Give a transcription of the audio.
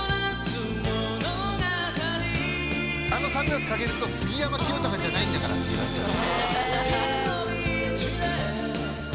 あのサングラス掛けると「杉山清貴じゃないんだから」って言われちゃう。